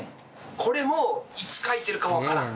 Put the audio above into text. これもいつ書いてるか分からん。